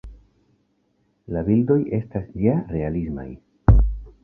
La bildoj estas ja realismaj.